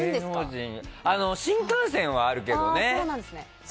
新幹線はあるけどね。